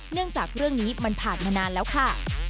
เนื่องจากเรื่องนี้มันผ่านนานแล้วค่ะ